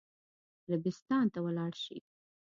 عربستان ته ولاړ شي.